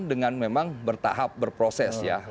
dengan memang bertahap berproses